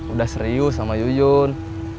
udah serius sama yuyun